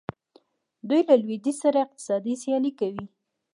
دوی له لویدیځ سره اقتصادي سیالي کوي.